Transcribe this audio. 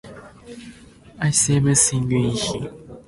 I see everything in him.